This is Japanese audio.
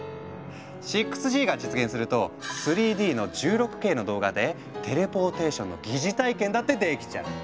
６Ｇが実現すると３Ｄの１６Ｋの動画でテレポーテーションの擬似体験だってできちゃう！